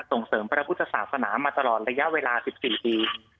ส่งเสริมพระพุทธศาสนามาตลอดระยะเวลา๑๔ปี